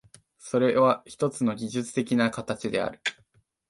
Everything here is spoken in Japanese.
それはひとつの技術的な形である。